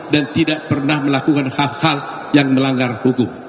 dan tidak pernah melakukan hal hal yang melanggar hukum